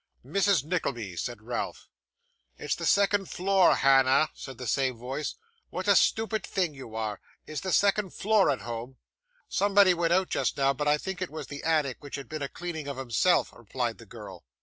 'Mrs. Nickleby,' said Ralph. 'It's the second floor, Hannah,' said the same voice; 'what a stupid thing you are! Is the second floor at home?' 'Somebody went out just now, but I think it was the attic which had been a cleaning of himself,' replied the girl.